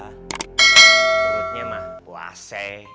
turutnya mah puase